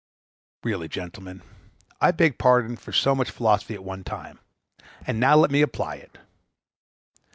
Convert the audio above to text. Really, gentlemen, I beg pardon for so much philosophy at one time, and now let me apply it.